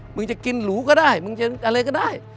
มึงจะกินหรูก็ได้มึงจะอะไรก็ได้